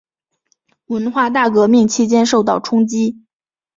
文化大革命期间受到冲击。